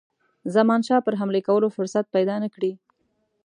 زمانشاه پر حملې کولو فرصت پیدا نه کړي.